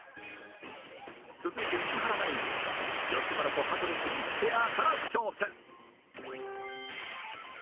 続いて石原ナインは吉村と羽鳥慎一ペアから挑戦